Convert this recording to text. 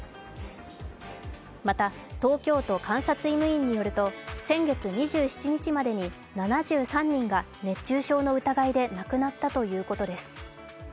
また、東京都監察医務院によると先月２７日までに７３人が熱中症の疑いで亡くなったということです。